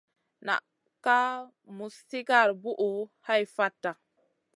Naʼ ka muz sigara buʼu hai fata.